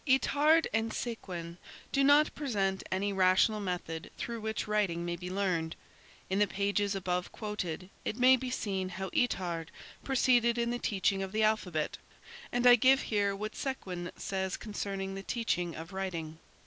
Itard and Séquin do not present any rational method through which writing may be learned. In the pages above quoted, it may be seen how Itard proceeded in the teaching of the alphabet and I give here what Séguin says concerning the teaching of writing.